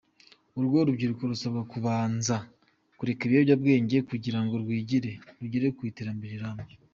Urwo rubyiruko rusabwa kubanza kureka ibiyobyabwenge kugira ngo rwigire, rugere ku iterambere rirambye.